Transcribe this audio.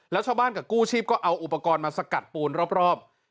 แล้วชาวบ้านกับกู้ชีพก็เอาอุปกรณ์มาสกัดปูนรอบ